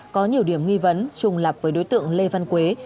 có nhiều điểm nghi vấn trùng lập với đối tượng lê văn quế